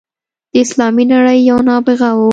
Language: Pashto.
د اسلامي نړۍ یو نابغه وو.